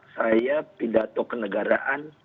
saya pidato kenegaraan